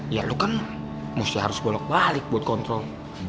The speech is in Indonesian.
ya lu kan mesti harus bolak balik buat kontrol